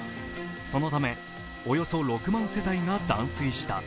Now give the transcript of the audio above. そのため、およそ６万世帯が断水した。